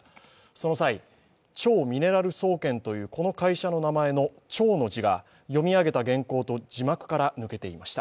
その際、超ミネラル総研というこの会社の名前の「超」の字が読み上げた原稿と字幕から抜けていました。